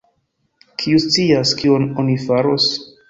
kiu scias, kion oni faros?